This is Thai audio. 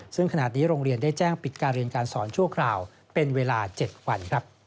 ซึ่งขณะนี้โรงเรียนได้แจ้งปิดการเรียนการสอนชั่วคราวเป็นเวลา๗วัน